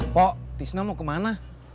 po tisna mau kemana